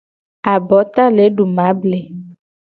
Abota le du mable.